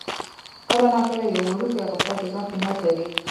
کله ناکله یو وړوکی غفلت د ژوند قیمت لري.